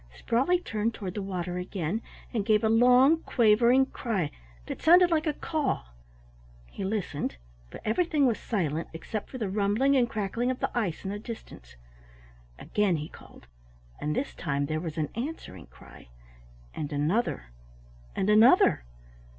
Sprawley turned toward the water again and gave a long, quavering cry that sounded like a call. He listened, but everything was silent except for the rumbling and cracking of the ice in the distance. Again he called, and this time there was an answering cry, and another, and another.